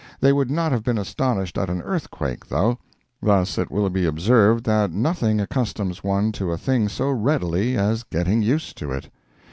They would not have been astonished at an earthquake, though. Thus it will be observed that nothing accustoms one to a thing so readily as getting used to it.